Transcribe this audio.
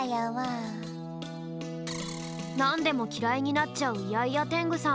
なんでもきらいになっちゃうイヤイヤテングさん。